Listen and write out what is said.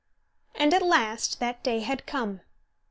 And at last that day had come.